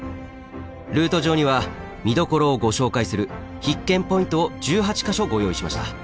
ルート上には見どころをご紹介する必見ポイントを１８か所ご用意しました。